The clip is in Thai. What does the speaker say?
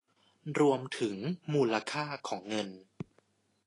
รวมถึงมูลค่าของเงิน